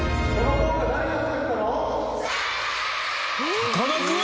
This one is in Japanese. さかなクン！？